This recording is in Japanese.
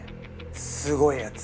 すごいやつ。